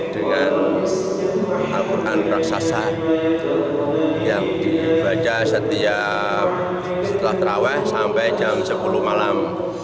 dengan al quran raksasa yang dibaca setiap setelah terawih sampai jam sepuluh malam